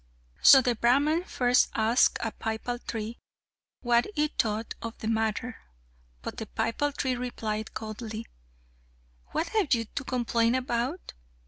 So the Brahman first asked a pipal tree what it thought of the matter, but the pipal tree replied coldly, "What have you to complain about?